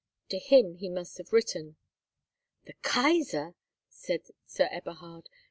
To him he must have written." "The Kaisar!" said Sir Eberhard.